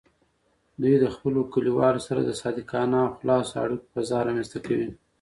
دوی د خپلو کلیوالو سره د صادقانه او خلاصو اړیکو فضا رامینځته کوي.